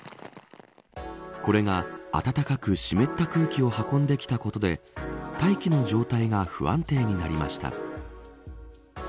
これが暖かく湿った空気を運んできたことで大気の状態が不安定になりました。